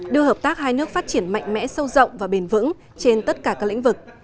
đưa hợp tác hai nước phát triển mạnh mẽ sâu rộng và bền vững trên tất cả các lĩnh vực